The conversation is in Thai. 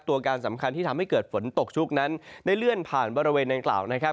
ตัวการสำคัญที่ทำให้เกิดฝนตกชุกนั้นได้เลื่อนผ่านบริเวณดังกล่าวนะครับ